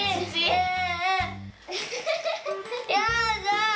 やだ！